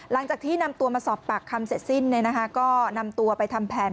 หลังจากที่นำตัวมาสอบปากคำเสร็จสิ้นก็นำตัวไปทำแผน